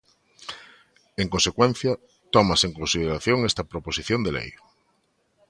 En consecuencia, tómase en consideración esta proposición de lei.